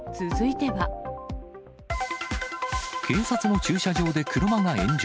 警察の駐車場で車が炎上。